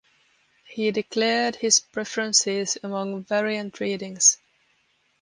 He declared his preferences among variant readings.